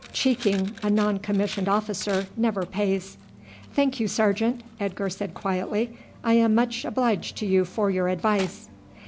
Cheeking a non commissioned officer never pays." "Thank you, sergeant," Edgar said quietly; "I am much obliged to you for your advice."